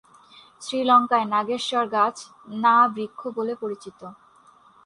শ্রীলঙ্কায় নাগেশ্বর গাছ 'না' বৃক্ষ বলে পরিচিত।